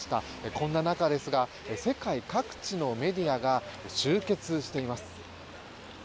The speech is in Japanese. こうした中ですが世界各地のメディアが集結しています。